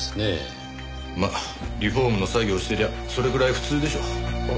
まあリフォームの作業してりゃそれくらい普通でしょ。